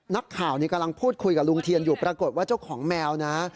นักข่าวกำลังพูดคุยกับลุงเทียนอยู่ปรากฏว่าเจ้าของแมวนะ